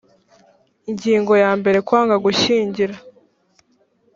ingingo ya mbere kwanga gushyingira